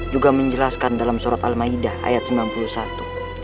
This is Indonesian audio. juga menjelaskan dalam surat al ⁇ idah ayat sembilan puluh satu